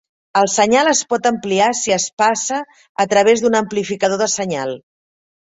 El senyal es pot ampliar si es passa a través d'un amplificador de senyal.